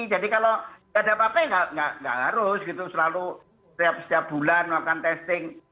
jadi kalau tidak ada apa apa nggak harus gitu selalu setiap bulan makan testing